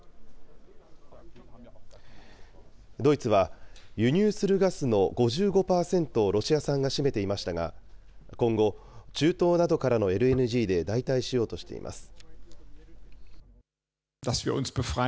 ドイツは、輸入するガスの５５％をロシア産が占めていましたが、今後、中東などからのＬＮＧで代替しようとしています。